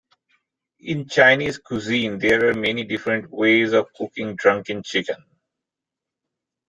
In Chinese cuisine there are many different ways of cooking drunken chicken.